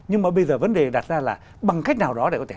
nhưng mà bây giờ vấn đề đặt ra là bằng cách nào đó để vấn đề đạt ra